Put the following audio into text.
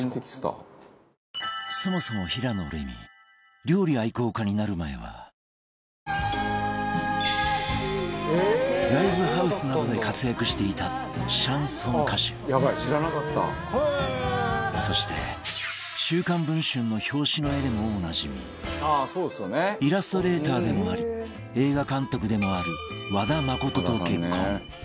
そもそも平野レミライブハウスなどで活躍していたそして『週刊文春』の表紙の絵でもおなじみイラストレーターでもあり映画監督でもある和田誠と結婚